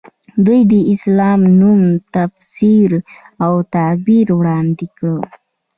دوی د اسلام نوی تفسیر او تعبیر وړاندې کړ.